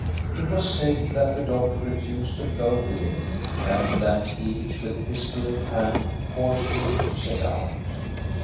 It was said that the doctor refused to go with him, and that he, with pistol in hand, forced him to set out.